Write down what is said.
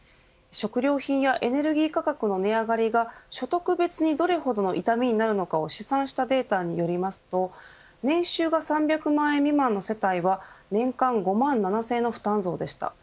食料品やエネルギー価格が値上がりが所得別にどれほどの痛みになるか試算したデータによりますと年収が３００万円未満の世帯は年間５万７０００円の負担増でした。